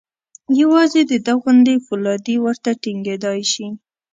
یوازې د ده غوندې فولادي ورته ټینګېدای شي.